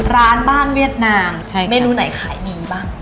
ร้านบ้านเวียดนามเมนูไหนขายดีบ้าง